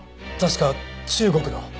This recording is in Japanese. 確か中国の。